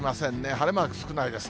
晴れマーク少ないです。